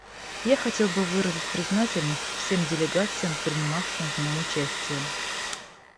Я хотел бы выразить признательность всем делегациям, принимавшим в нем участие.